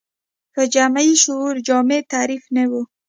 په جمعي شعور کې جامع تعریف نه و